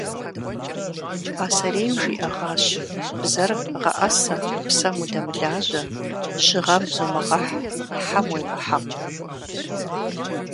Пасэрейм жиӏэгъащ: бзэр гъэӏэсэ, псэм удэмылажьэ, жьыгъэм зумыгъэхь, хьэм уемыхьэкъу.